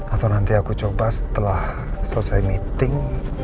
atau nanti aku coba setelah selesai meeting